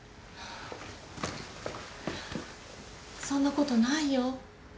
そんなことないよ。